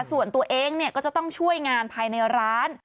ส่วนตัวเองก็จะต้องช่วยงานภายในร้าน